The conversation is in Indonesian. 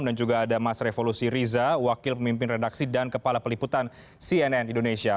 dan juga ada mas revolusi riza wakil pemimpin redaksi dan kepala peliputan cnn indonesia